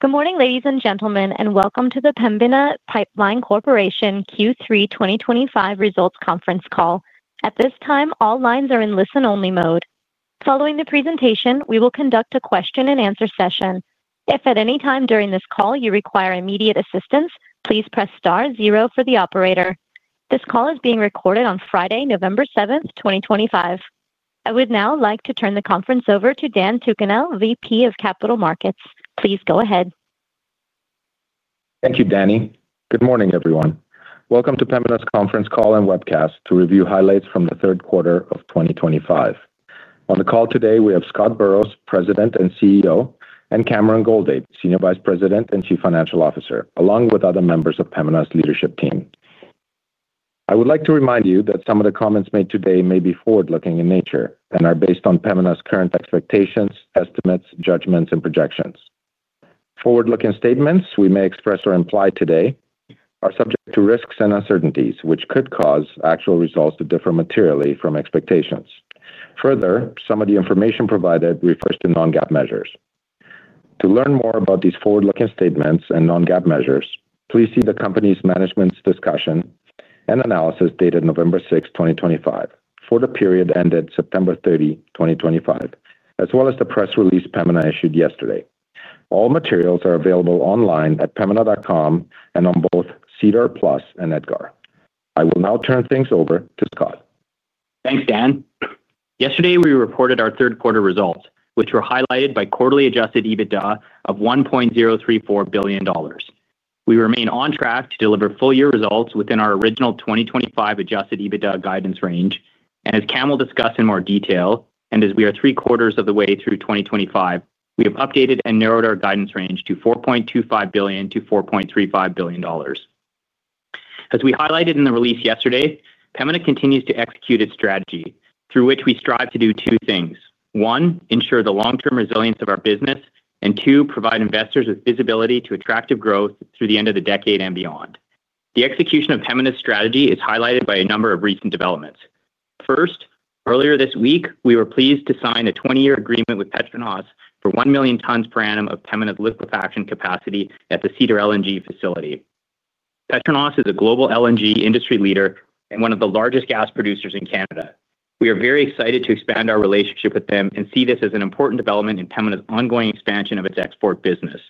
Good morning, ladies and gentlemen, and welcome to the Pembina Pipeline Corporation Q3 2025 results conference call. At this time, all lines are in listen-only mode. Following the presentation, we will conduct a question-and-answer session. If at any time during this call you require immediate assistance, please press star zero for the operator. This call is being recorded on Friday, November 7, 2025. I would now like to turn the conference over to Dan Tucunel, VP of Capital Markets. Please go ahead. Thank you, Danny. Good morning, everyone. Welcome to Pembina's conference call and webcast to review highlights from the third quarter of 2025. On the call today, we have Scott Burrows, President and CEO, and Cameron Goldade, Senior Vice President and Chief Financial Officer, along with other members of Pembina's leadership team. I would like to remind you that some of the comments made today may be forward-looking in nature and are based on Pembina's current expectations, estimates, judgments, and projections. Forward-looking statements we may express or imply today are subject to risks and uncertainties, which could cause actual results to differ materially from expectations. Further, some of the information provided refers to non-GAAP measures. To learn more about these forward-looking statements and non-GAAP measures, please see the company's management's discussion and analysis dated November 6, 2025, for the period ended September 30, 2025, as well as the press release Pembina issued yesterday. All materials are available online at pembina.com and on both SEDAR+ and EDGAR. I will now turn things over to Scott. Thanks, Dan. Yesterday, we reported our third quarter results, which were highlighted by quarterly adjusted EBITDA of 1.034 billion dollars. We remain on track to deliver full-year results within our original 2025 adjusted EBITDA guidance range. As Cam will discuss in more detail, and as we are three quarters of the way through 2025, we have updated and narrowed our guidance range to 4.25 billion-4.35 billion dollars. As we highlighted in the release yesterday, Pembina continues to execute its strategy, through which we strive to do two things: one, ensure the long-term resilience of our business; and two, provide investors with visibility to attractive growth through the end of the decade and beyond. The execution of Pembina's strategy is highlighted by a number of recent developments. First, earlier this week, we were pleased to sign a 20-year agreement with PETRONAS for 1 million tons per annum of Pembina's liquefaction capacity at the Cedar LNG facility. PETRONAS is a global LNG industry leader and one of the largest gas producers in Canada. We are very excited to expand our relationship with them and see this as an important development in Pembina's ongoing expansion of its export business.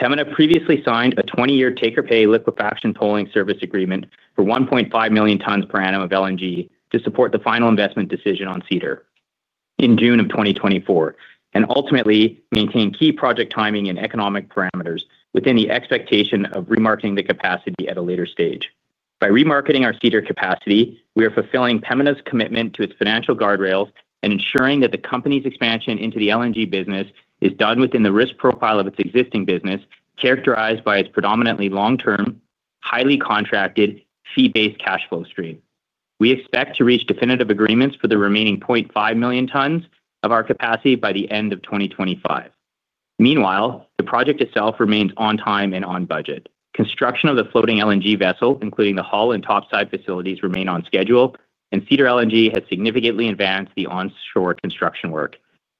Pembina previously signed a 20-year take-or-pay liquefaction tolling service agreement for 1.5 million tons per annum of LNG to support the final investment decision on Cedar in June of 2024, and ultimately maintain key project timing and economic parameters within the expectation of remarketing the capacity at a later stage. By remarketing our Cedar capacity, we are fulfilling Pembina's commitment to its financial guardrails and ensuring that the company's expansion into the LNG business is done within the risk profile of its existing business, characterized by its predominantly long-term, highly contracted, fee-based cash flow stream. We expect to reach definitive agreements for the remaining 0.5 million tons of our capacity by the end of 2025. Meanwhile, the project itself remains on time and on budget. Construction of the floating LNG vessel, including the hull and topside facilities, remains on schedule, and Cedar LNG has significantly advanced the onshore construction work.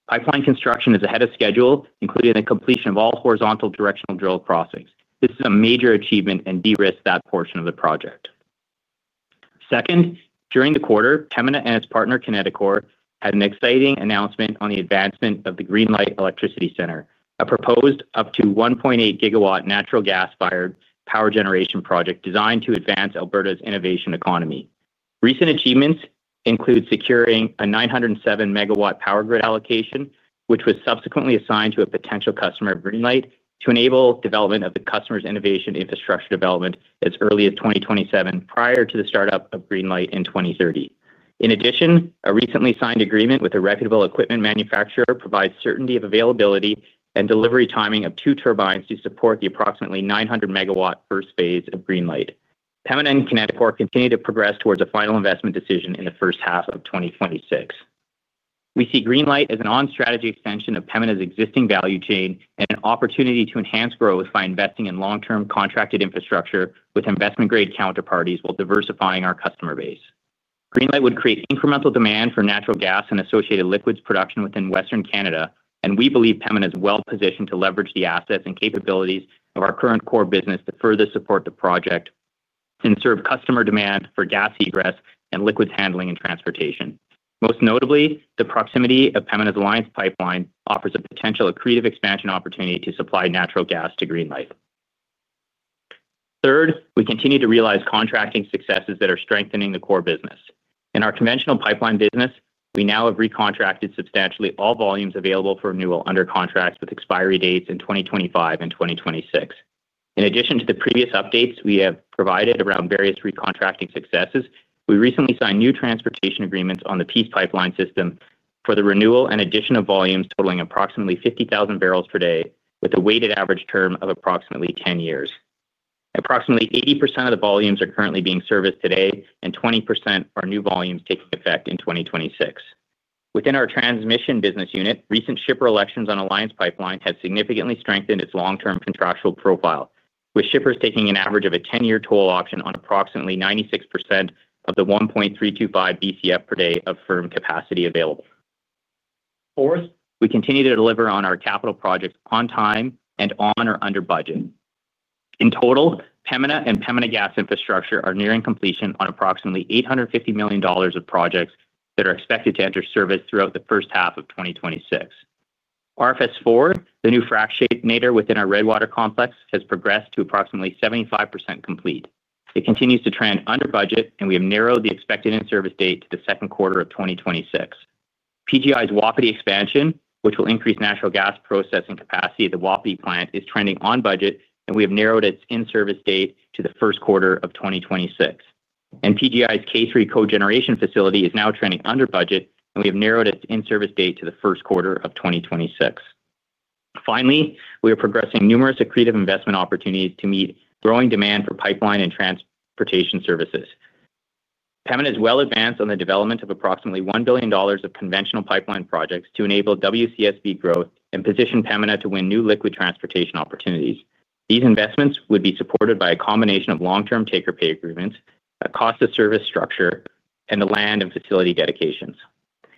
Pipeline construction is ahead of schedule, including the completion of all horizontal directional drill crossings. This is a major achievement and de-risked that portion of the project. Second, during the quarter, Pembina and its partner Kineticor had an exciting announcement on the advancement of the Greenlight Electricity Center, a proposed up to 1.8 GW natural gas-fired power generation project designed to advance Alberta's innovation economy. Recent achievements include securing a 907 MW power grid allocation, which was subsequently assigned to a potential customer of Greenlight to enable development of the customer's innovation infrastructure development as early as 2027, prior to the startup of Greenlight in 2030. In addition, a recently signed agreement with a reputable equipment manufacturer provides certainty of availability and delivery timing of two turbines to support the approximately 900 MW first phase of Greenlight. Pembina and Kineticor continue to progress towards a final investment decision in the first half of 2026. We see Greenlight as an on-strategy extension of Pembina's existing value chain and an opportunity to enhance growth by investing in long-term contracted infrastructure with investment-grade counterparties while diversifying our customer base. Greenlight would create incremental demand for natural gas and associated liquids production within Western Canada, and we believe Pembina is well positioned to leverage the assets and capabilities of our current core business to further support the project and serve customer demand for gas egress and liquids handling and transportation. Most notably, the proximity of Pembina's Alliance Pipeline offers a potential accretive expansion opportunity to supply natural gas to Greenlight. Third, we continue to realize contracting successes that are strengthening the core business. In our conventional pipeline business, we now have recontracted substantially all volumes available for renewal under contracts with expiry dates in 2025 and 2026. In addition to the previous updates we have provided around various recontracting successes, we recently signed new transportation agreements on the Peace Pipeline System for the renewal and addition of volumes totaling approximately 50,000 bbl per day, with a weighted average term of approximately 10 years. Approximately 80% of the volumes are currently being serviced today, and 20% are new volumes taking effect in 2026. Within our transmission business unit, recent shipper elections on Alliance Pipeline have significantly strengthened its long-term contractual profile, with shippers taking an average of a 10-year toll option on approximately 96% of the 1.325 BCF per day of firm capacity available. Fourth, we continue to deliver on our capital projects on time and on or under budget. In total, Pembina and Pembina Gas Infrastructure are nearing completion on approximately 850 million dollars of projects that are expected to enter service throughout the first half of 2026. RFS IV, the new fractionator within our Redwater complex, has progressed to approximately 75% complete. It continues to trend under budget, and we have narrowed the expected in-service date to the second quarter of 2026. PGI's Wapiti Expansion, which will increase natural gas processing capacity at the Wapiti plant, is trending on budget, and we have narrowed its in-service date to the first quarter of 2026. PGI's K3 cogeneration facility is now trending under budget, and we have narrowed its in-service date to the first quarter of 2026. Finally, we are progressing numerous accretive investment opportunities to meet growing demand for pipeline and transportation services. Pembina is well advanced on the development of approximately 1 billion dollars of conventional pipeline projects to enable WCSB growth and position Pembina to win new liquid transportation opportunities. These investments would be supported by a combination of long-term take-or-pay agreements, a cost-of-service structure, and the land and facility dedications.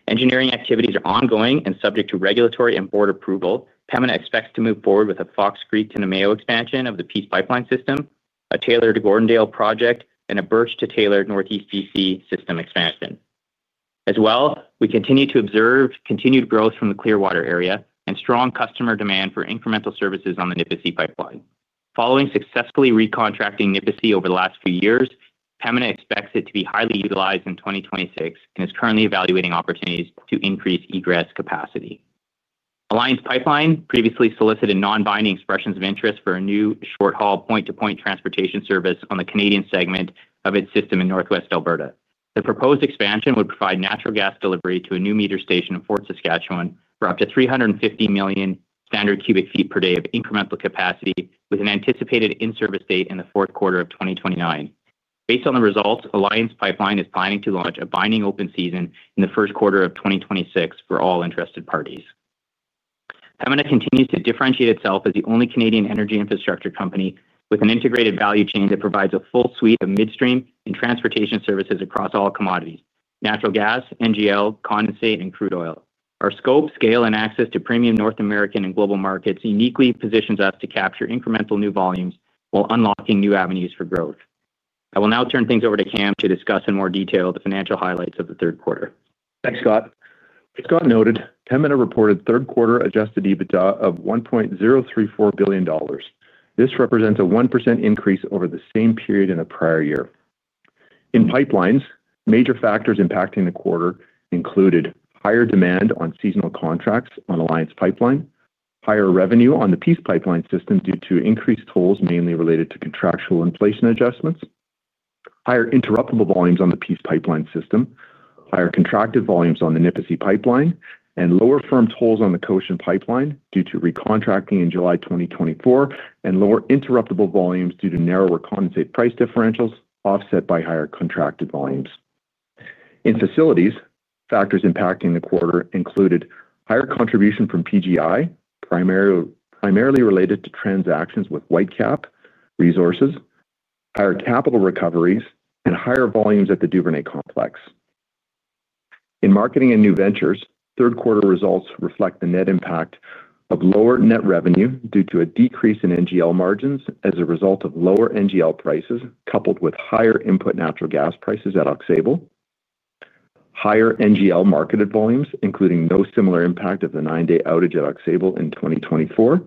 Engineering activities are ongoing and subject to regulatory and board approval. Pembina expects to move forward with a Fox Creek-to-Namao Expansion of the Peace Pipeline System, a Taylor to Gordondale project, and a Birch to Taylor Northeast B.C. system expansion. As well, we continue to observe continued growth from the Clearwater area and strong customer demand for incremental services on the Nipisi Pipeline. Following successfully recontracting Nipisi over the last few years, Pembina expects it to be highly utilized in 2026 and is currently evaluating opportunities to increase egress capacity. Alliance Pipeline previously solicited non-binding expressions of interest for a new short-haul point-to-point transportation service on the Canadian segment of its system in northwest Alberta. The proposed expansion would provide natural gas delivery to a new meter station in Fort Saskatchewan for up to 350 million standard cubic feet per day of incremental capacity, with an anticipated in-service date in the fourth quarter of 2029. Based on the results, Alliance Pipeline is planning to launch a binding open season in the first quarter of 2026 for all interested parties. Pembina continues to differentiate itself as the only Canadian energy infrastructure company with an integrated value chain that provides a full suite of midstream and transportation services across all commodities: natural gas, NGL, condensate, and crude oil. Our scope, scale, and access to premium North American and global markets uniquely positions us to capture incremental new volumes while unlocking new avenues for growth. I will now turn things over to Cam to discuss in more detail the financial highlights of the third quarter. Thanks, Scott. As Scott noted, Pembina reported third quarter adjusted EBITDA of 1.034 billion dollars. This represents a 1% increase over the same period in the prior year. In pipelines, major factors impacting the quarter included higher demand on seasonal contracts on Alliance Pipeline, higher revenue on the Peace Pipeline System due to increased tolls mainly related to contractual inflation adjustments, higher interruptible volumes on the Peace Pipeline System, higher contracted volumes on the Nipisi Pipeline, and lower firm tolls on the Cochin Pipeline due to recontracting in July 2024, and lower interruptible volumes due to narrower condensate price differentials offset by higher contracted volumes. In facilities, factors impacting the quarter included higher contribution from PGI, primarily related to transactions with Whitecap Resources, higher capital recoveries, and higher volumes at the Duvernay complex. In marketing and new ventures, third quarter results reflect the net impact of lower net revenue due to a decrease in NGL margins as a result of lower NGL prices coupled with higher input natural gas prices at Oxbow, higher NGL marketed volumes, including no similar impact of the nine-day outage at Oxbow in 2024,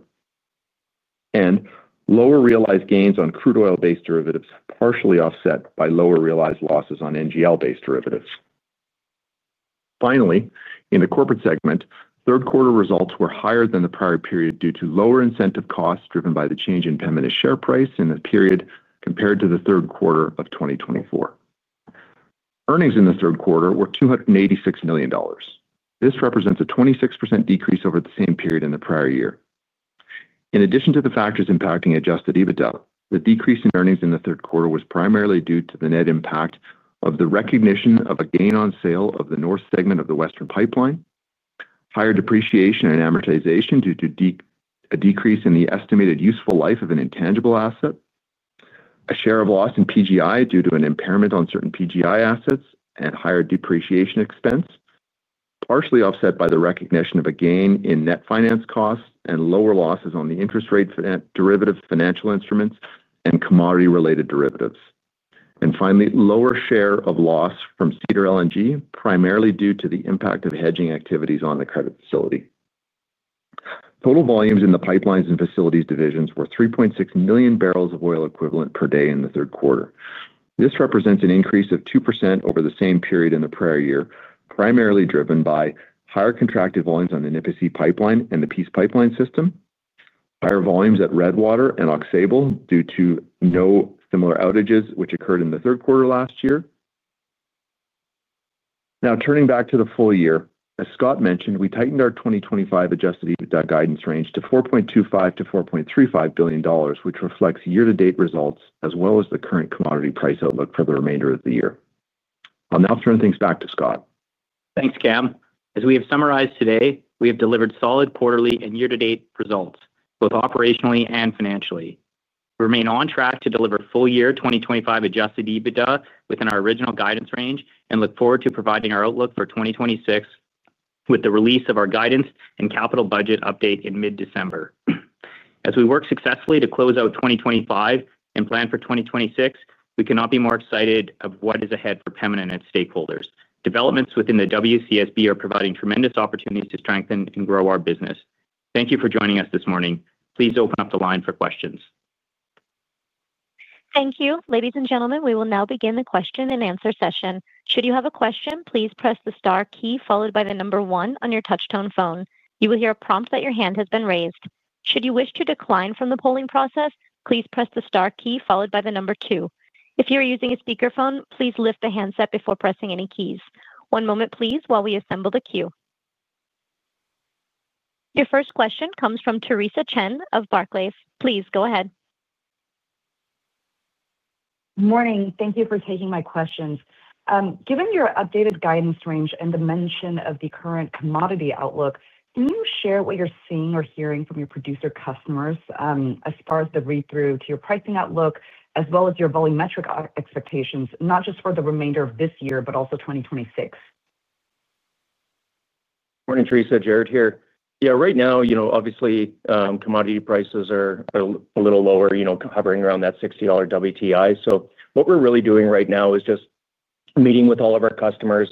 and lower realized gains on crude oil-based derivatives, partially offset by lower realized losses on NGL-based derivatives. Finally, in the corporate segment, third quarter results were higher than the prior period due to lower incentive costs driven by the change in Pembina's share price in the period compared to the third quarter of 2024. Earnings in the third quarter were 286 million dollars. This represents a 26% decrease over the same period in the prior year. In addition to the factors impacting adjusted EBITDA, the decrease in earnings in the third quarter was primarily due to the net impact of the recognition of a gain on sale of the north segment of the Western Pipeline, higher depreciation and amortization due to a decrease in the estimated useful life of an intangible asset, a share of loss in PGI due to an impairment on certain PGI assets, and higher depreciation expense, partially offset by the recognition of a gain in net finance costs and lower losses on the interest rate derivative financial instruments and commodity-related derivatives. Finally, lower share of loss from Cedar LNG, primarily due to the impact of hedging activities on the credit facility. Total volumes in the pipelines and facilities divisions were 3.6 million barrels of oil equivalent per day in the third quarter. This represents an increase of 2% over the same period in the prior year, primarily driven by higher contracted volumes on the Nipisi Pipeline and the Peace Pipeline System, higher volumes at Redwater and Oxbow due to no similar outages, which occurred in the third quarter last year. Now, turning back to the full year, as Scott mentioned, we tightened our 2025 adjusted EBITDA guidance range to 4.25 billion-4.35 billion dollars, which reflects year-to-date results as well as the current commodity price outlook for the remainder of the year. I'll now turn things back to Scott. Thanks, Cam. As we have summarized today, we have delivered solid quarterly and year-to-date results, both operationally and financially. We remain on track to deliver full-year 2025 adjusted EBITDA within our original guidance range and look forward to providing our outlook for 2026 with the release of our guidance and capital budget update in mid-December. As we work successfully to close out 2025 and plan for 2026, we cannot be more excited about what is ahead for Pembina and its stakeholders. Developments within the WCSB are providing tremendous opportunities to strengthen and grow our business. Thank you for joining us this morning. Please open up the line for questions. Thank you. Ladies and gentlemen, we will now begin the question-and-answer session. Should you have a question, please press the star key followed by the number one on your touch-tone phone. You will hear a prompt that your hand has been raised. Should you wish to decline from the polling process, please press the star key followed by the number two. If you are using a speakerphone, please lift the handset before pressing any keys. One moment, please, while we assemble the queue. Your first question comes from Theresa Chen of Barclays. Please go ahead. Good morning. Thank you for taking my questions. Given your updated guidance range and the mention of the current commodity outlook, can you share what you're seeing or hearing from your producer customers as far as the read-through to your pricing outlook, as well as your volumetric expectations, not just for the remainder of this year, but also 2026? Morning, Theresa. Jaret here. Yeah, right now, obviously, commodity prices are a little lower, hovering around that 60 dollar WTI. What we're really doing right now is just meeting with all of our customers,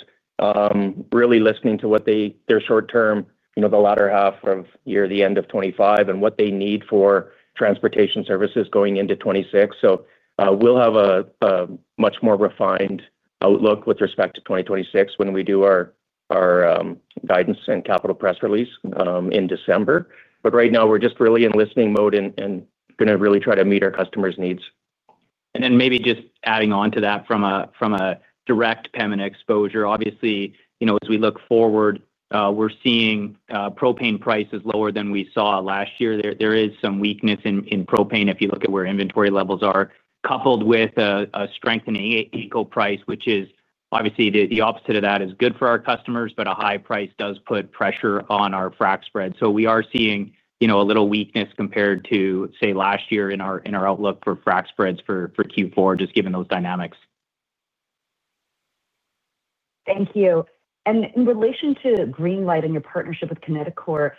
really listening to what their short-term, the latter half of the year, the end of 2025, and what they need for transportation services going into 2026. We will have a much more refined outlook with respect to 2026 when we do our guidance and capital press release in December. Right now, we're just really in listening mode and going to really try to meet our customers' needs. Maybe just adding on to that from a direct Pembina exposure, obviously, as we look forward, we're seeing propane prices lower than we saw last year. There is some weakness in propane if you look at where inventory levels are, coupled with a strengthening NGL price, which is obviously the opposite of that is good for our customers, but a high price does put pressure on our frac spread. We are seeing a little weakness compared to, say, last year in our outlook for frac spreads for Q4, just given those dynamics. Thank you. In relation to Greenlight and your partnership with Kineticor,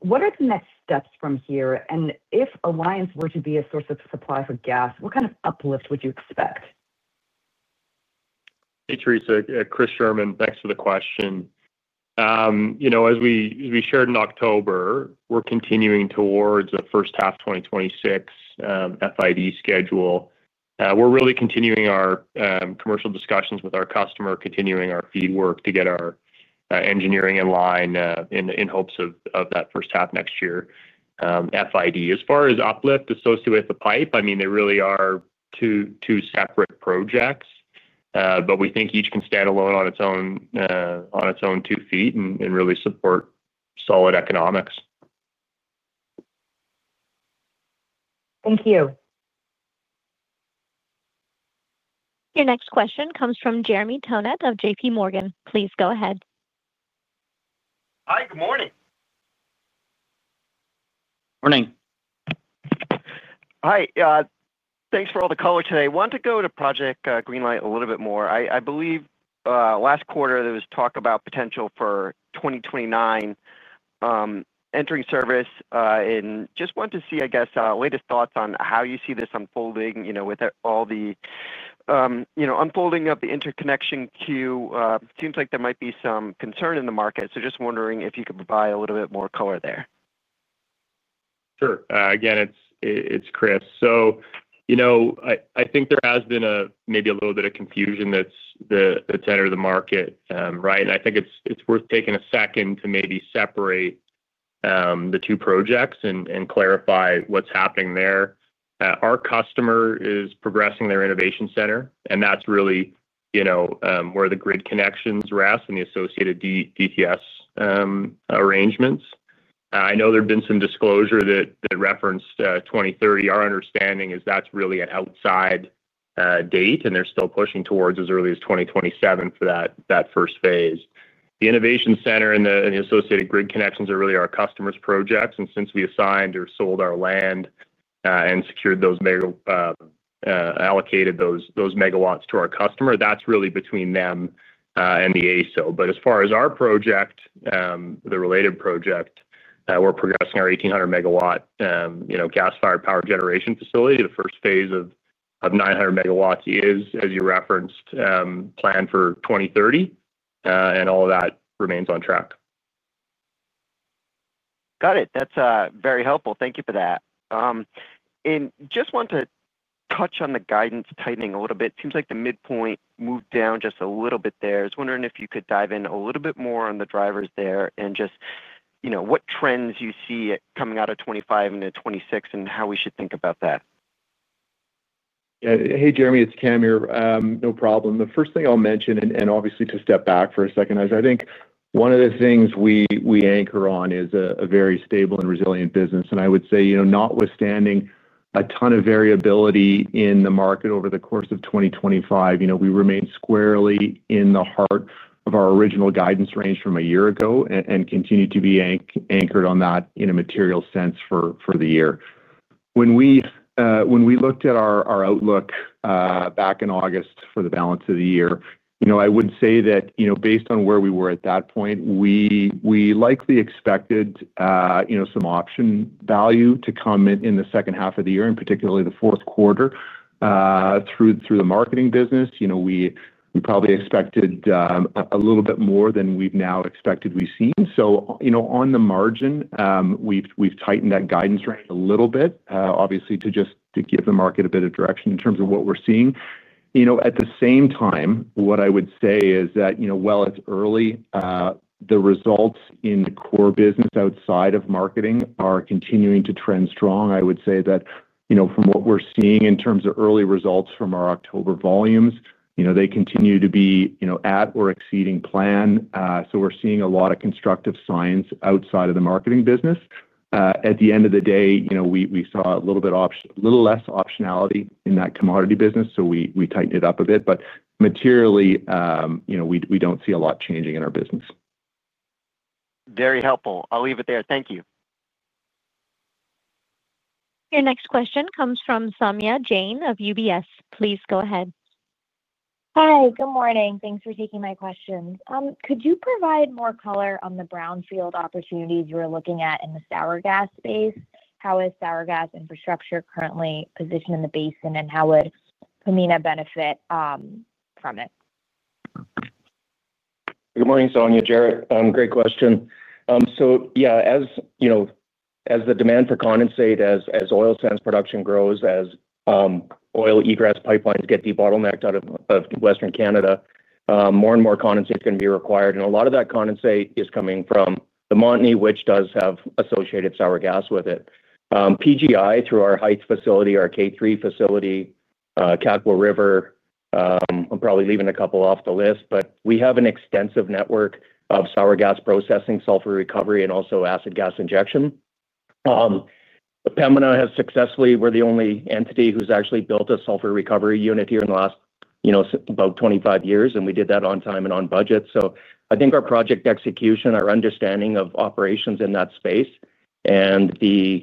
what are the next steps from here? If Alliance were to be a source of supply for gas, what kind of uplift would you expect? Hey, Theresa. Chris Scherman, thanks for the question. As we shared in October, we're continuing towards a first half 2026 FID schedule. We're really continuing our commercial discussions with our customer, continuing our feedwork to get our engineering in line in hopes of that first half next year FID. As far as uplift associated with the pipe, I mean, they really are two separate projects, but we think each can stand alone on its own two feet and really support solid economics. Thank you. Your next question comes from Jeremy Tonet of JPMorgan. Please go ahead. Hi. Good morning. Morning. Hi. Thanks for all the color today. I want to go to Project Greenlight a little bit more. I believe last quarter, there was talk about potential for 2029 entering service. I just want to see, I guess, latest thoughts on how you see this unfolding with all the unfolding of the interconnection queue. Seems like there might be some concern in the market. Just wondering if you could provide a little bit more color there. Sure. Again, it's Chris. I think there has been maybe a little bit of confusion that's entered the market, right? I think it's worth taking a second to maybe separate the two projects and clarify what's happening there. Our customer is progressing their innovation center, and that's really where the grid connections rest and the associated DTS arrangements. I know there have been some disclosures that referenced 2030. Our understanding is that's really an outside date, and they're still pushing towards as early as 2027 for that first phase. The innovation center and the associated grid connections are really our customer's projects. Since we assigned or sold our land and secured those, allocated those megawatts to our customer, that's really between them and the ASO. As far as our project, the related project, we're progressing our 1,800 MW gas-fired power generation facility. The first phase of 900 MW is, as you referenced, planned for 2030, and all of that remains on track. Got it. That's very helpful. Thank you for that. I just want to touch on the guidance tightening a little bit. Seems like the midpoint moved down just a little bit there. I was wondering if you could dive in a little bit more on the drivers there and just what trends you see coming out of 2025 into 2026 and how we should think about that. Yeah. Hey, Jeremy. It's Cam here. No problem. The first thing I'll mention, and obviously to step back for a second, is I think one of the things we anchor on is a very stable and resilient business. I would say, notwithstanding a ton of variability in the market over the course of 2025, we remain squarely in the heart of our original guidance range from a year ago and continue to be anchored on that in a material sense for the year. When we looked at our outlook back in August for the balance of the year, I would say that based on where we were at that point, we likely expected some option value to come in the second half of the year, and particularly the fourth quarter through the marketing business. We probably expected a little bit more than we've now expected we've seen. On the margin, we've tightened that guidance range a little bit, obviously, to just give the market a bit of direction in terms of what we're seeing. At the same time, what I would say is that while it's early, the results in the core business outside of marketing are continuing to trend strong. I would say that from what we're seeing in terms of early results from our October volumes, they continue to be at or exceeding plan. We're seeing a lot of constructive signs outside of the marketing business. At the end of the day, we saw a little bit of less optionality in that commodity business, so we tightened it up a bit. Materially, we do not see a lot changing in our business. Very helpful. I'll leave it there. Thank you. Your next question comes from Saumya Jain of UBS. Please go ahead. Hi. Good morning. Thanks for taking my questions. Could you provide more color on the brownfield opportunities you're looking at in the sour gas space? How is sour gas infrastructure currently positioned in the basin, and how would Pembina benefit from it? Good morning, Saumya. Jaret, great question. Yeah, as the demand for condensate, as oil sands production grows, as oil egress pipelines get debottlenecked out of Western Canada, more and more condensate is going to be required. A lot of that condensate is coming from the Montney, which does have associated sour gas with it. PGI, through our Heights facility, our K3 facility, Catawba River, I am probably leaving a couple off the list, but we have an extensive network of sour gas processing, sulfur recovery, and also acid gas injection. Pembina has successfully—we are the only entity who has actually built a sulfur recovery unit here in the last about 25 years, and we did that on time and on budget. I think our project execution, our understanding of operations in that space, and the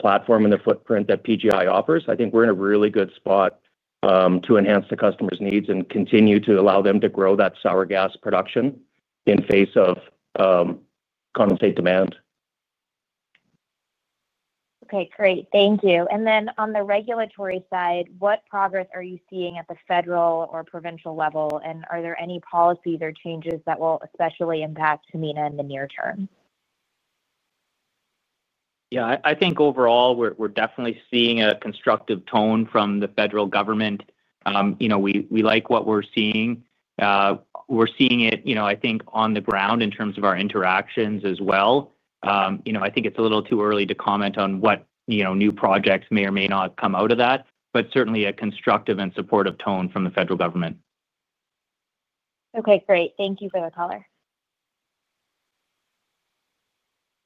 platform and the footprint that PGI offers, I think we're in a really good spot to enhance the customer's needs and continue to allow them to grow that sour gas production in face of condensate demand. Okay. Great. Thank you. Then on the regulatory side, what progress are you seeing at the federal or provincial level, and are there any policies or changes that will especially impact Pembina in the near term? Yeah. I think overall, we're definitely seeing a constructive tone from the federal government. We like what we're seeing. We're seeing it, I think, on the ground in terms of our interactions as well. I think it's a little too early to comment on what new projects may or may not come out of that, but certainly a constructive and supportive tone from the federal government. Okay. Great. Thank you for the color.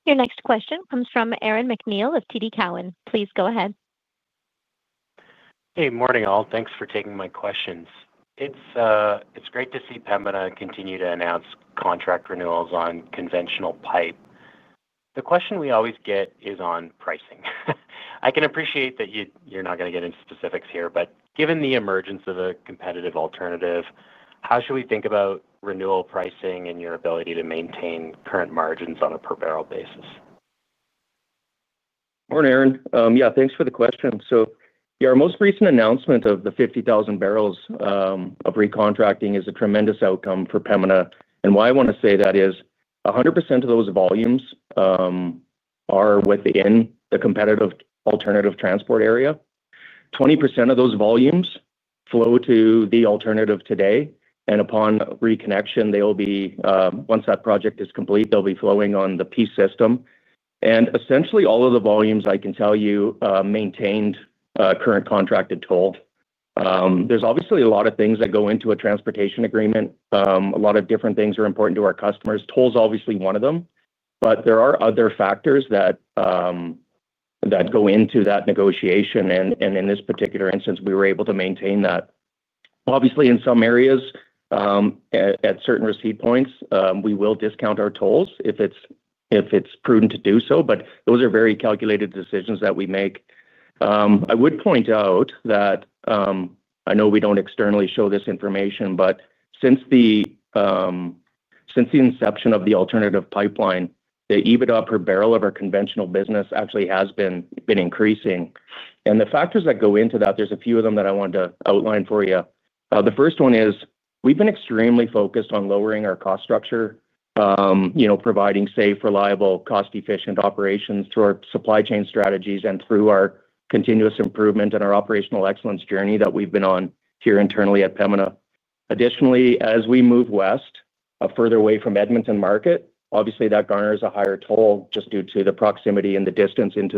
Your next question comes from Aaron MacNeil of TD Cowen. Please go ahead. Hey, morning, all. Thanks for taking my questions. It's great to see Pembina continue to announce contract renewals on conventional pipe. The question we always get is on pricing. I can appreciate that you're not going to get into specifics here, but given the emergence of a competitive alternative, how should we think about renewal pricing and your ability to maintain current margins on a per-barrel basis? Morning, Aaron. Yeah, thanks for the question. Yeah, our most recent announcement of the 50,000 bbl of recontracting is a tremendous outcome for Pembina. Why I want to say that is 100% of those volumes are within the competitive alternative transport area. 20% of those volumes flow to the alternative today. Upon reconnection, once that project is complete, they will be flowing on the P system. Essentially, all of the volumes, I can tell you, maintained current contracted toll. There is obviously a lot of things that go into a transportation agreement. A lot of different things are important to our customers. Toll is obviously one of them, but there are other factors that go into that negotiation. In this particular instance, we were able to maintain that. Obviously, in some areas, at certain receipt points, we will discount our tolls if it's prudent to do so, but those are very calculated decisions that we make. I would point out that I know we don't externally show this information, but since the inception of the alternative pipeline, the EBITDA per barrel of our conventional business actually has been increasing. The factors that go into that, there's a few of them that I want to outline for you. The first one is we've been extremely focused on lowering our cost structure, providing safe, reliable, cost-efficient operations through our supply chain strategies and through our continuous improvement and our operational excellence journey that we've been on here internally at Pembina. Additionally, as we move west, further away from Edmonton market, obviously, that garners a higher toll just due to the proximity and the distance into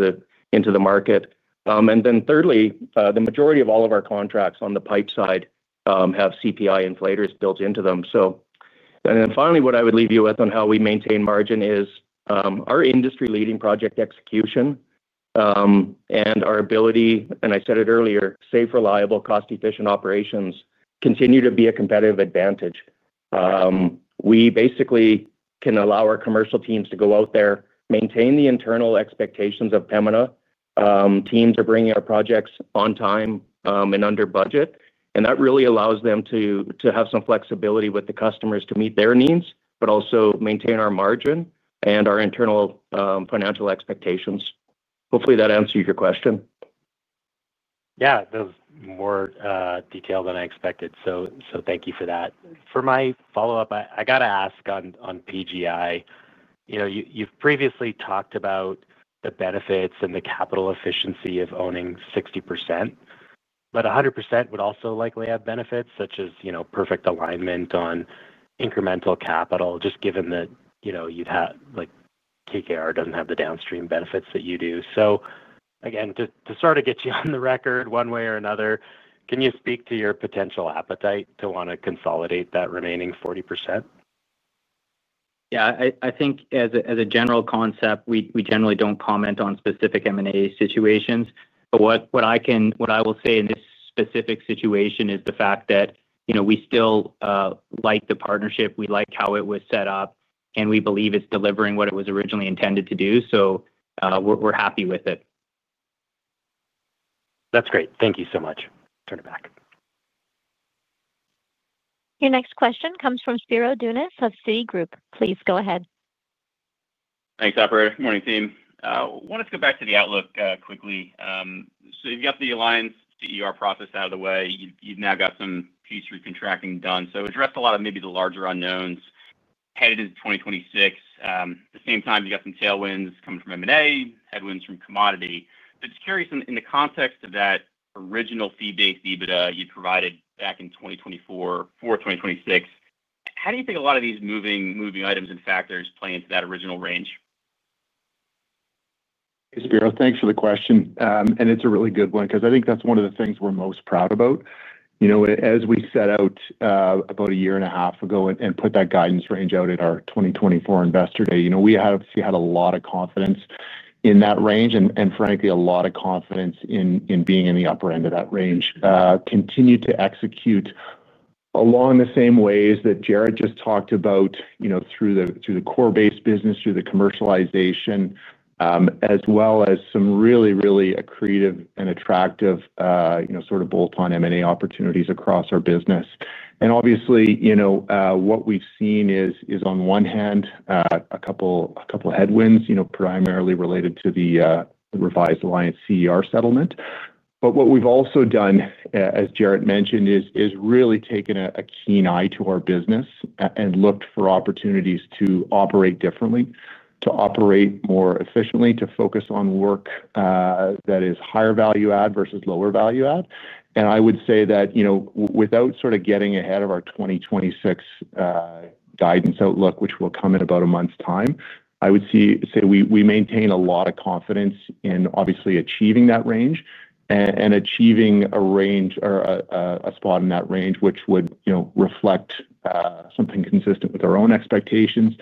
the market. Thirdly, the majority of all of our contracts on the pipe side have CPI inflators built into them. Finally, what I would leave you with on how we maintain margin is our industry-leading project execution and our ability, and I said it earlier, safe, reliable, cost-efficient operations continue to be a competitive advantage. We basically can allow our commercial teams to go out there, maintain the internal expectations of Pembina. Teams are bringing our projects on time and under budget. That really allows them to have some flexibility with the customers to meet their needs, but also maintain our margin and our internal financial expectations. Hopefully, that answered your question. Yeah. That was more detailed than I expected. Thank you for that. For my follow-up, I got to ask on PGI. You've previously talked about the benefits and the capital efficiency of owning 60%, but 100% would also likely have benefits such as perfect alignment on incremental capital, just given that KKR doesn't have the downstream benefits that you do. Again, to sort of get you on the record one way or another, can you speak to your potential appetite to want to consolidate that remaining 40%? Yeah. I think as a general concept, we generally don't comment on specific M&A situations. What I will say in this specific situation is the fact that we still like the partnership. We like how it was set up, and we believe it's delivering what it was originally intended to do. We're happy with it. That's great. Thank you so much. Turn it back. Your next question comes from Spiro Dounis of Citigroup. Please go ahead. Thanks, operator. Morning, team. I want to go back to the outlook quickly. You have got the Alliance CER process out of the way. You have now got some P3 contracting done. Addressed a lot of maybe the larger unknowns headed into 2026. At the same time, you have got some tailwinds coming from M&A, headwinds from commodity. Just curious, in the context of that original fee-based EBITDA you provided back in 2024, 2026, how do you think a lot of these moving items and factors play into that original range? Hey, Spiro. Thanks for the question. It is a really good one because I think that is one of the things we are most proud about. As we set out about a year and a half ago and put that guidance range out at our 2024 investor day, we obviously had a lot of confidence in that range and, frankly, a lot of confidence in being in the upper end of that range. We continue to execute along the same ways that Jaret just talked about through the core-based business, through the commercialization, as well as some really, really accretive and attractive sort of bolt-on M&A opportunities across our business. Obviously, what we have seen is, on one hand, a couple of headwinds primarily related to the revised Alliance CER settlement. What we've also done, as Jaret mentioned, is really taken a keen eye to our business and looked for opportunities to operate differently, to operate more efficiently, to focus on work that is higher value-add versus lower value-add. I would say that without sort of getting ahead of our 2026 guidance outlook, which will come in about a month's time, I would say we maintain a lot of confidence in obviously achieving that range and achieving a range or a spot in that range, which would reflect something consistent with our own expectations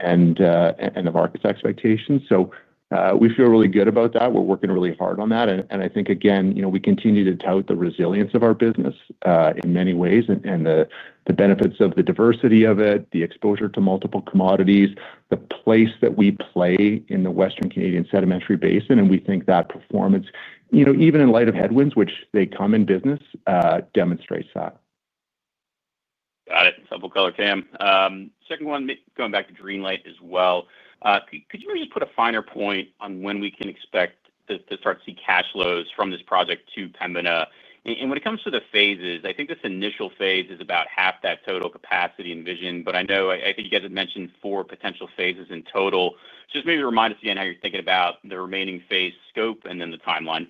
and of our expectations. We feel really good about that. We're working really hard on that. We continue to tout the resilience of our business in many ways and the benefits of the diversity of it, the exposure to multiple commodities, the place that we play in the Western Canadian Sedimentary Basin. We think that performance, even in light of headwinds, which they come in business, demonstrates that. Got it. Simple color, Cam. Second one, going back to Greenlight as well. Could you maybe just put a finer point on when we can expect to start to see cash flows from this project to Pembina? When it comes to the phases, I think this initial phase is about half that total capacity envisioned. I know I think you guys had mentioned four potential phases in total. Just maybe remind us again how you're thinking about the remaining phase scope and then the timeline.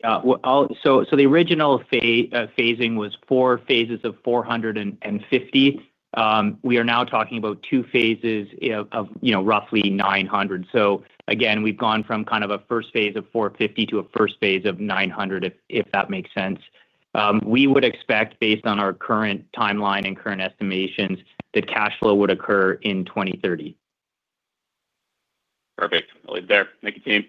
Yeah. The original phasing was four phases of 450. We are now talking about two phases of roughly 900. Again, we have gone from kind of a first phase of 450 to a first phase of 900, if that makes sense. We would expect, based on our current timeline and current estimations, that cash flow would occur in 2030. Perfect. I'll leave it there. Thank you, team.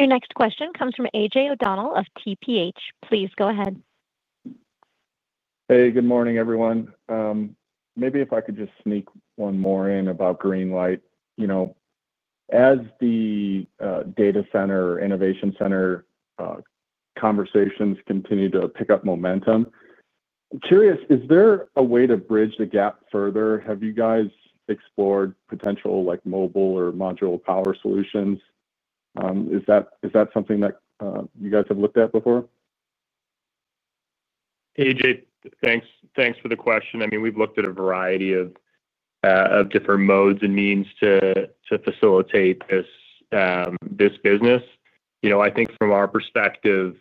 Your next question comes from AJ O'Donnell of TPH. Please go ahead. Hey, good morning, everyone. Maybe if I could just sneak one more in about Greenlight. As the data center or innovation center conversations continue to pick up momentum, I'm curious, is there a way to bridge the gap further? Have you guys explored potential mobile or modular power solutions? Is that something that you guys have looked at before? AJ, thanks for the question. I mean, we've looked at a variety of different modes and means to facilitate this business. I think from our perspective,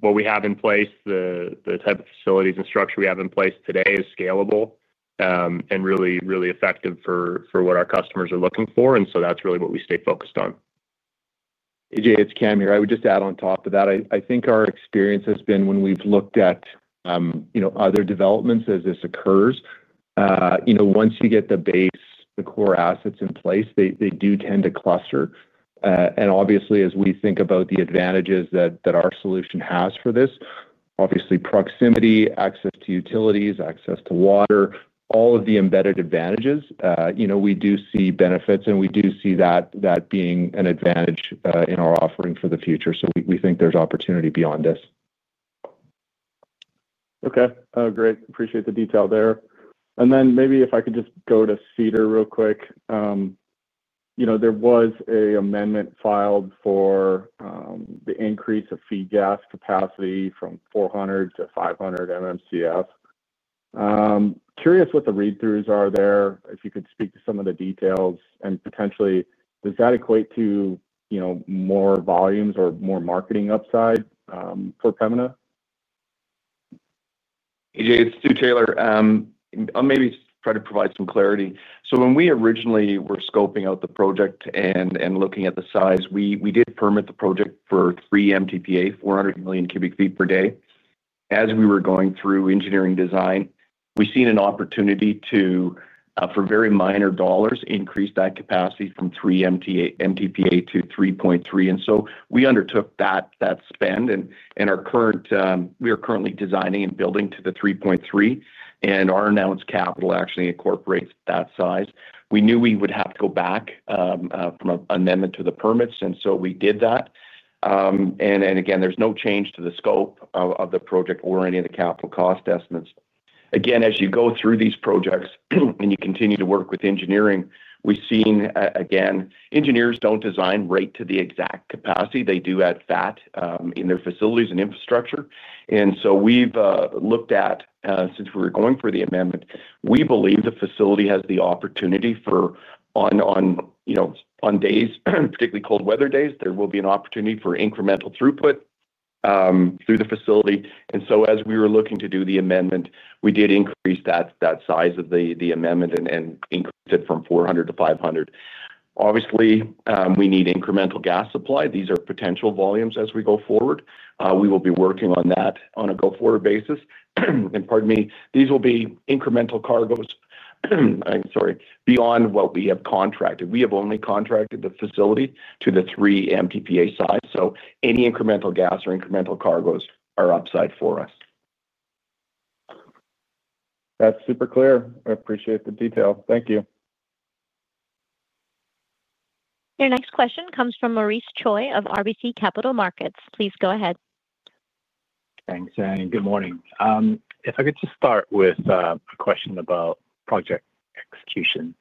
what we have in place, the type of facilities and structure we have in place today is scalable and really, really effective for what our customers are looking for. That is really what we stay focused on. AJ, it's Cam here. I would just add on top of that, I think our experience has been when we've looked at other developments as this occurs, once you get the base, the core assets in place, they do tend to cluster. Obviously, as we think about the advantages that our solution has for this, obviously, proximity, access to utilities, access to water, all of the embedded advantages, we do see benefits, and we do see that being an advantage in our offering for the future. We think there is opportunity beyond this. Okay. Great. Appreciate the detail there. Maybe if I could just go to Cedar real quick. There was an amendment filed for the increase of feed gas capacity from 400 MMcf-500 MMcf. Curious what the read-throughs are there, if you could speak to some of the details. Potentially, does that equate to more volumes or more marketing upside for Pembina? AJ, it's Stu Taylor. I'll maybe try to provide some clarity. When we originally were scoping out the project and looking at the size, we did permit the project for 3 mtpa, 400 million cu ft per day. As we were going through engineering design, we've seen an opportunity to, for very minor dollars, increase that capacity from 3 mtpa-3.3 mtpa. We undertook that spend. We are currently designing and building to the 3.3 mtpa. Our announced capital actually incorporates that size. We knew we would have to go back for an amendment to the permits. We did that. There is no change to the scope of the project or any of the capital cost estimates. As you go through these projects and you continue to work with engineering, we've seen, again, engineers do not design right to the exact capacity. They do add fat in their facilities and infrastructure. We have looked at, since we were going for the amendment, we believe the facility has the opportunity for, on days, particularly cold weather days, there will be an opportunity for incremental throughput through the facility. As we were looking to do the amendment, we did increase that size of the amendment and increased it from 400MMcf-500 MMcf. Obviously, we need incremental gas supply. These are potential volumes as we go forward. We will be working on that on a go-forward basis. Pardon me, these will be incremental cargoes, I'm sorry, beyond what we have contracted. We have only contracted the facility to the 3 mtpa size. Any incremental gas or incremental cargoes are upside for us. That's super clear. I appreciate the detail. Thank you. Your next question comes from Maurice Choy of RBC Capital Markets. Please go ahead. Thanks, and good morning. If I could just start with a question about project execution.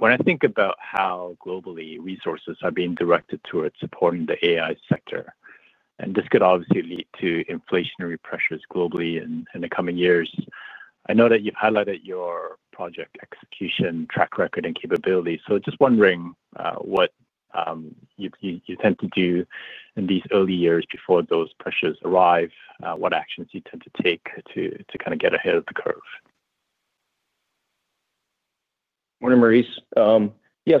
When I think about how globally resources are being directed towards supporting the AI sector, and this could obviously lead to inflationary pressures globally in the coming years, I know that you've highlighted your project execution track record and capability. Just wondering what you tend to do in these early years before those pressures arrive, what actions you tend to take to kind of get ahead of the curve. Morning, Maurice. Yeah.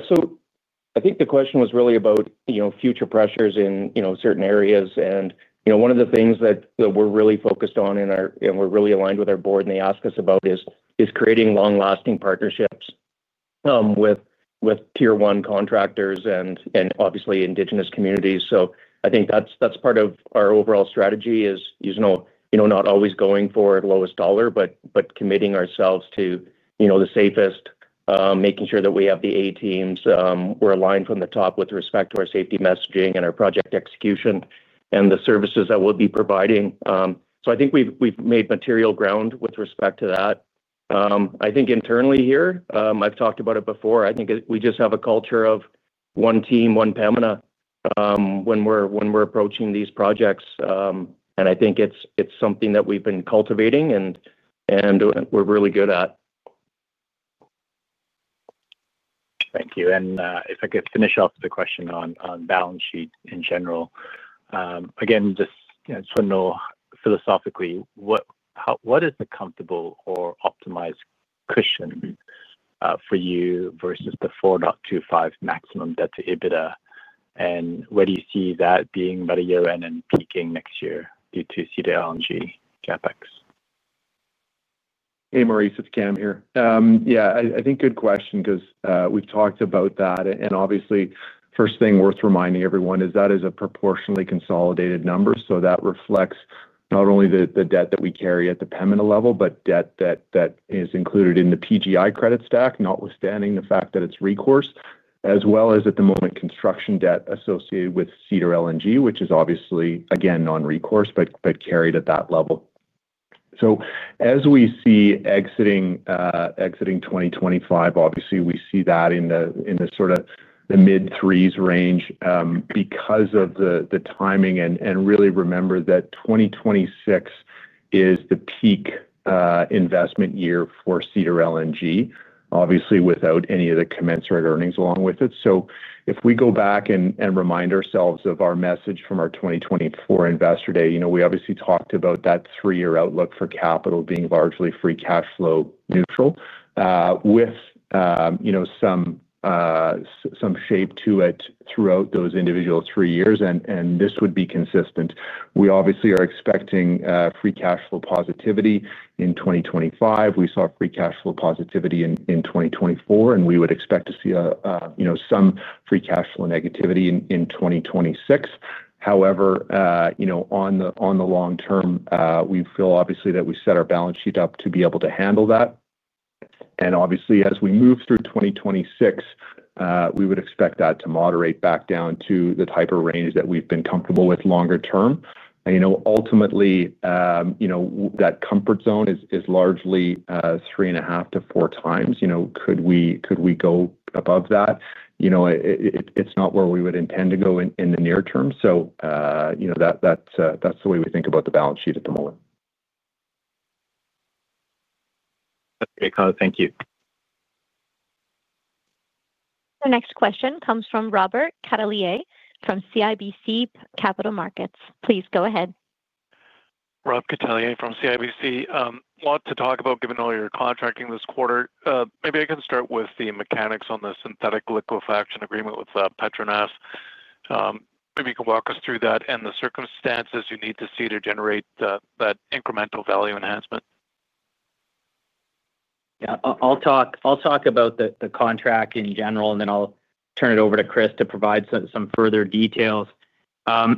I think the question was really about future pressures in certain areas. One of the things that we're really focused on and we're really aligned with our board and they ask us about is creating long-lasting partnerships with tier-one contractors and obviously indigenous communities. I think that's part of our overall strategy, not always going for lowest dollar, but committing ourselves to the safest, making sure that we have the A teams. We're aligned from the top with respect to our safety messaging and our project execution and the services that we'll be providing. I think we've made material ground with respect to that. I think internally here, I've talked about it before. I think we just have a culture of one team, one Pembina when we're approaching these projects. I think it's something that we've been cultivating and we're really good at. Thank you. If I could finish off the question on balance sheet in general. Again, just philosophically, what is the comfortable or optimized cushion for you versus the 4.25 maximum debt to EBITDA? Where do you see that being about a year in and peaking next year due to Cedar LNG CapEx? Hey, Maurice. It's Cam here. Yeah. I think good question because we've talked about that. Obviously, first thing worth reminding everyone is that is a proportionally consolidated number. That reflects not only the debt that we carry at the Pembina level, but debt that is included in the PGI credit stack, notwithstanding the fact that it's recourse, as well as at the moment construction debt associated with Cedar LNG, which is obviously, again, non-recourse but carried at that level. As we see exiting 2025, we see that in the sort of the mid-threes range because of the timing. Really remember that 2026 is the peak investment year for Cedar LNG, obviously without any of the commensurate earnings along with it. If we go back and remind ourselves of our message from our 2024 investor day, we obviously talked about that three-year outlook for capital being largely free cash flow neutral with some shape to it throughout those individual three years. This would be consistent. We obviously are expecting free cash flow positivity in 2025. We saw free cash flow positivity in 2024, and we would expect to see some free cash flow negativity in 2026. However, on the long term, we feel obviously that we set our balance sheet up to be able to handle that. Obviously, as we move through 2026, we would expect that to moderate back down to the type of range that we've been comfortable with longer term. Ultimately, that comfort zone is largely three and a half to four times. Could we go above that? It's not where we would intend to go in the near term. That is the way we think about the balance sheet at the moment. Okay, Cam. Thank you. The next question comes from Robert Catellier from CIBC Capital Markets. Please go ahead. Robert Catellier from CIBC. A lot to talk about given all your contracting this quarter. Maybe I can start with the mechanics on the synthetic liquefaction agreement with PETRONAS. Maybe you can walk us through that and the circumstances you need to see to generate that incremental value enhancement. Yeah. I'll talk about the contract in general, and then I'll turn it over to Chris to provide some further details. I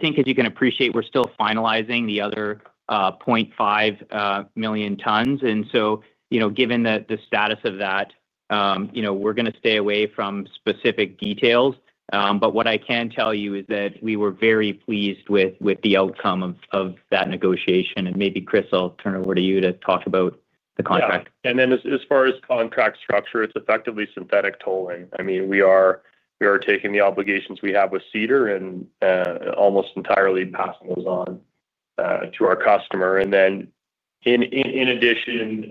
think, as you can appreciate, we're still finalizing the other 0.5 million tons. Given the status of that, we're going to stay away from specific details. What I can tell you is that we were very pleased with the outcome of that negotiation. Maybe Chris, I'll turn it over to you to talk about the contract. Yeah. As far as contract structure, it's effectively synthetic tolling. I mean, we are taking the obligations we have with Cedar and almost entirely passing those on to our customer. In addition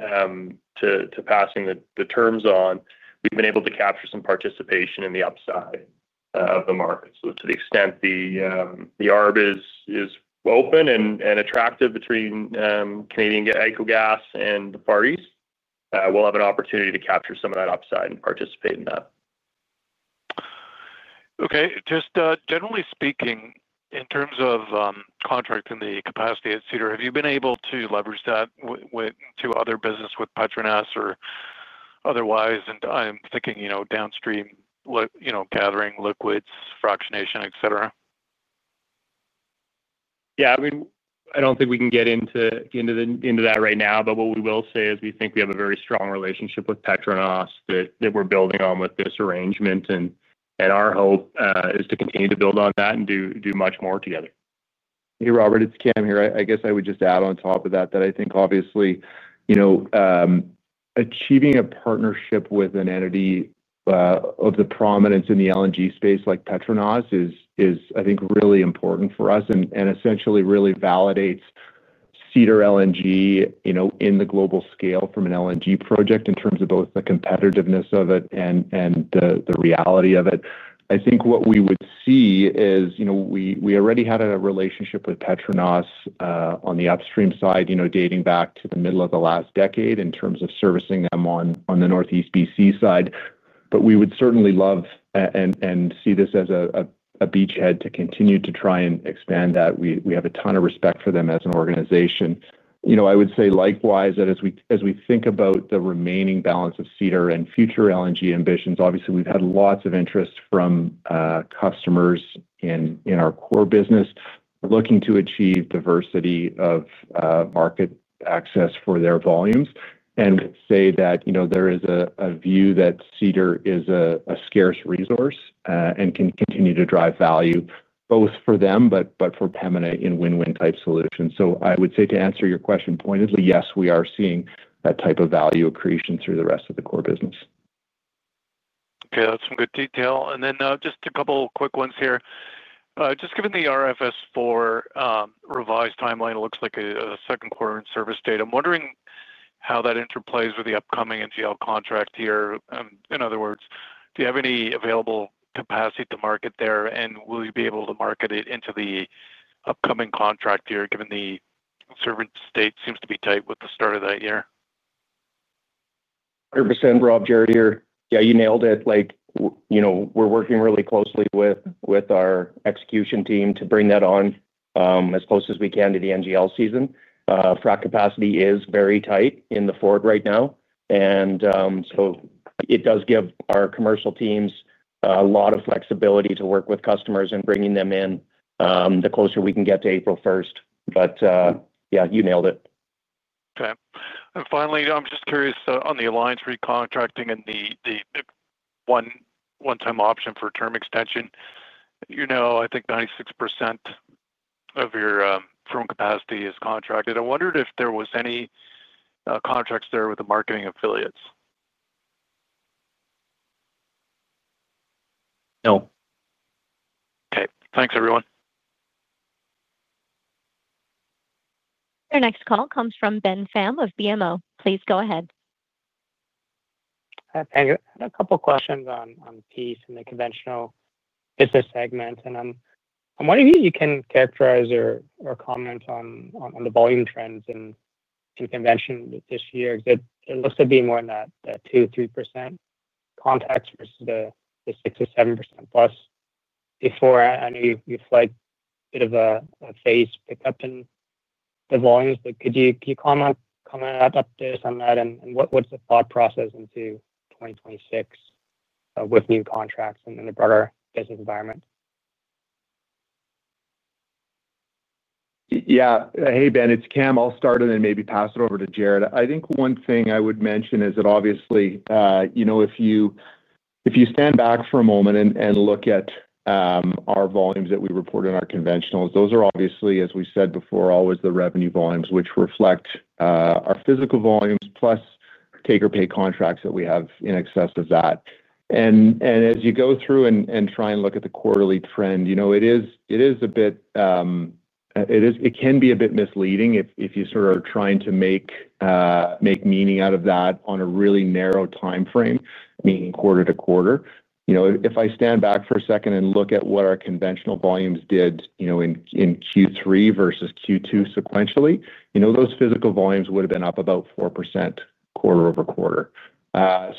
to passing the terms on, we've been able to capture some participation in the upside of the market. To the extent the arbor is open and attractive between Canadian EcoGas and the parties, we'll have an opportunity to capture some of that upside and participate in that. Okay. Just generally speaking, in terms of contracting the capacity at Cedar, have you been able to leverage that to other business with PETRONAS or otherwise? I am thinking downstream gathering, liquids, fractionation, etc. Yeah. I mean, I don't think we can get into that right now. What we will say is we think we have a very strong relationship with PETRONAS that we're building on with this arrangement. Our hope is to continue to build on that and do much more together. Hey, Robert, it's Cam here. I guess I would just add on top of that that I think, obviously, achieving a partnership with an entity of the prominence in the LNG space like PETRONAS is, I think, really important for us and essentially really validates Cedar LNG in the global scale from an LNG project in terms of both the competitiveness of it and the reality of it. I think what we would see is we already had a relationship with PETRONAS on the upstream side dating back to the middle of the last decade in terms of servicing them on the Northeast BC side. We would certainly love and see this as a beachhead to continue to try and expand that. We have a ton of respect for them as an organization. I would say likewise that as we think about the remaining balance of Cedar and future LNG ambitions, obviously, we've had lots of interest from customers in our core business looking to achieve diversity of market access for their volumes. We'd say that there is a view that Cedar is a scarce resource and can continue to drive value both for them but for Pembina in win-win type solutions. I would say to answer your question pointedly, yes, we are seeing that type of value accretion through the rest of the core business. Okay. That's some good detail. Just a couple of quick ones here. Just given the RFS IV revised timeline, it looks like a second quarter in service date. I'm wondering how that interplays with the upcoming NGL contract year. In other words, do you have any available capacity to market there? Will you be able to market it into the upcoming contract year given the service date seems to be tight with the start of that year? 100%, Rob, Jaret here. Yeah, you nailed it. We're working really closely with our execution team to bring that on as close as we can to the NGL season. Frac capacity is very tight in the forward right now. It does give our commercial teams a lot of flexibility to work with customers and bringing them in the closer we can get to April 1st. Yeah, you nailed it. Okay. Finally, I'm just curious on the Alliance recontracting and the one-time option for term extension. I think 96% of your firm capacity is contracted. I wondered if there were any contracts there with the marketing affiliates. No. Okay. Thanks, everyone. Your next call comes from Ben Pham of BMO. Please go ahead. I had a couple of questions on PEEC and the conventional business segment. I'm wondering if you can characterize or comment on the volume trends in convention this year. It looks to be more in that 2%-3% context versus the 6%-7%+. Before, I know you flagged a bit of a phase pickup in the volumes. Could you comment on this and that? What's the thought process into 2026 with new contracts and the broader business environment? Yeah. Hey, Ben, it's Cam. I'll start it and maybe pass it over to Jaret. I think one thing I would mention is that obviously, if you stand back for a moment and look at our volumes that we report in our conventionals, those are obviously, as we said before, always the revenue volumes, which reflect our physical volumes plus take-or-pay contracts that we have in excess of that. As you go through and try and look at the quarterly trend, it is a bit, it can be a bit misleading if you sort of are trying to make meaning out of that on a really narrow timeframe, meaning quarter to quarter. If I stand back for a second and look at what our conventional volumes did in Q3 versus Q2 sequentially, those physical volumes would have been up about 4% quarter-over-quarter.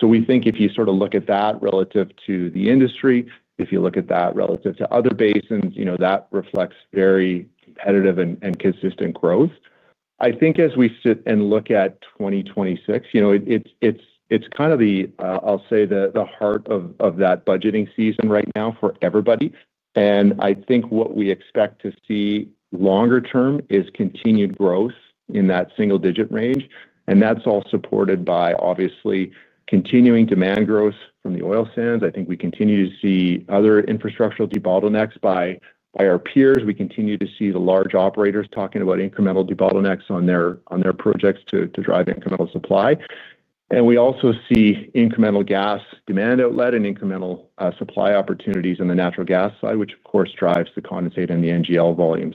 We think if you sort of look at that relative to the industry, if you look at that relative to other basins, that reflects very competitive and consistent growth. I think as we sit and look at 2026, it's kind of the, I'll say, the heart of that budgeting season right now for everybody. I think what we expect to see longer term is continued growth in that single-digit range. That's all supported by, obviously, continuing demand growth from the oil sands. I think we continue to see other infrastructural debottlenecks by our peers. We continue to see the large operators talking about incremental debottlenecks on their projects to drive incremental supply. We also see incremental gas demand outlet and incremental supply opportunities on the natural gas side, which, of course, drives the condensate and the NGL volume.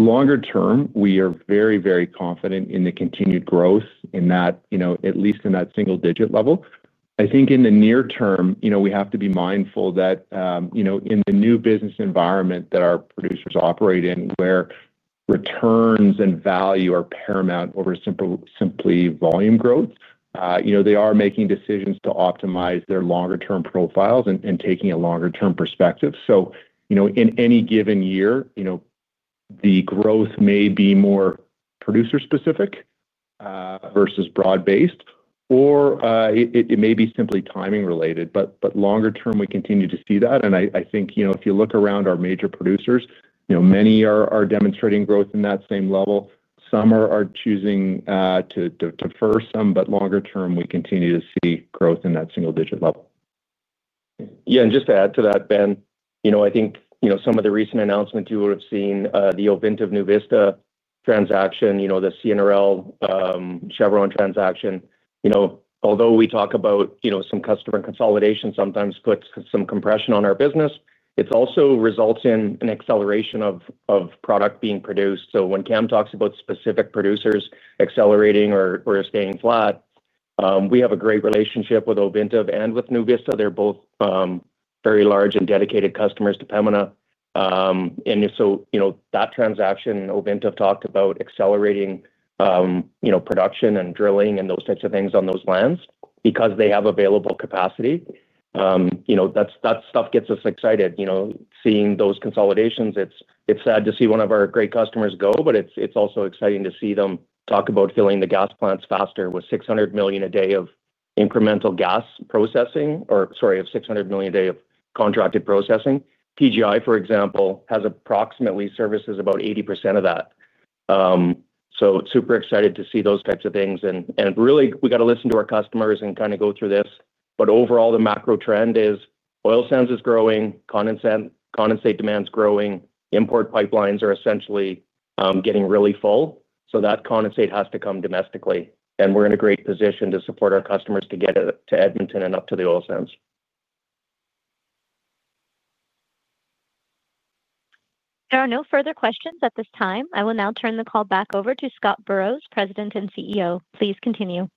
Longer term, we are very, very confident in the continued growth in that, at least in that single-digit level. I think in the near term, we have to be mindful that in the new business environment that our producers operate in, where returns and value are paramount over simply volume growth, they are making decisions to optimize their longer-term profiles and taking a longer-term perspective. In any given year, the growth may be more producer-specific versus broad-based, or it may be simply timing related. Longer term, we continue to see that. I think if you look around our major producers, many are demonstrating growth in that same level. Some are choosing to defer some, but longer term, we continue to see growth in that single-digit level. Yeah. Just to add to that, Ben, I think some of the recent announcements you would have seen, the Ovintiv-NuVista transaction, the CNRL Chevron transaction, although we talk about some customer consolidation sometimes puts some compression on our business, it also results in an acceleration of product being produced. When Cam talks about specific producers accelerating or staying flat, we have a great relationship with Ovintiv and with NuVista. They're both very large and dedicated customers to Pembina. That transaction, Ovintiv talked about accelerating production and drilling and those types of things on those lands because they have available capacity. That stuff gets us excited seeing those consolidations. It's sad to see one of our great customers go, but it's also exciting to see them talk about filling the gas plants faster with 600 million a day of incremental gas processing or, sorry, of 600 million a day of contracted processing. PGI, for example, services about 80% of that. Super excited to see those types of things. We got to listen to our customers and kind of go through this. Overall, the macro trend is oil sands is growing, condensate demand's growing, import pipelines are essentially getting really full. That condensate has to come domestically. We're in a great position to support our customers to get it to Edmonton and up to the oil sands. There are no further questions at this time. I will now turn the call back over to Scott Burrows, President and CEO. Please continue.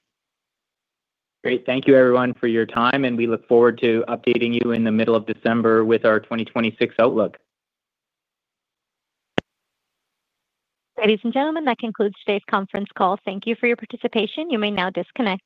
Great. Thank you, everyone, for your time. We look forward to updating you in the middle of December with our 2026 outlook. Ladies and gentlemen, that concludes today's conference call. Thank you for your participation. You may now disconnect.